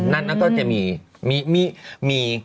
นั่นก็จะมีมี